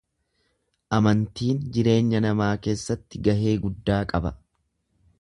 Amantiin jireenya namaa keessatti gahee guddaa qaba.